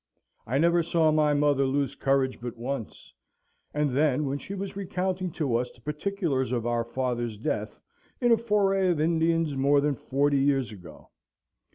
I never saw my mother lose courage but once, and then when she was recounting to us the particulars of our father's death in a foray of Indians more than forty years ago.